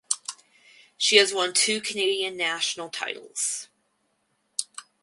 She has won two Canadian National titles.